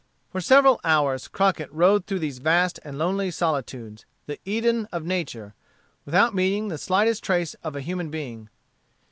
For several hours Crockett rode through these vast and lonely solitudes, the Eden of nature, without meeting with the slightest trace of a human being.